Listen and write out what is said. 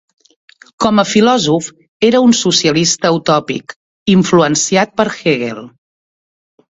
Com a filòsof, era un socialista utòpic, influenciat per Hegel.